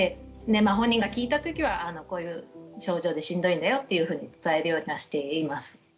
まあ本人が聞いた時はこういう症状でしんどいんだよっていうふうに伝えるようにはしています。